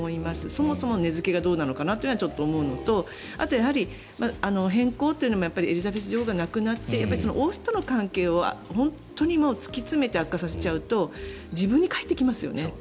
そもそも値付けがどうなのかなと思うのとあとはやはり変更というのもエリザベス女王が亡くなって王室との関係を本当に突き詰めて悪化させちゃうと自分に返ってきますよね。